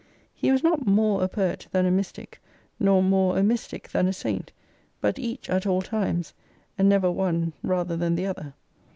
He was not more a poet than a mystic, nor more a mystic than a saint ; but each at all times, and never one rather than the other.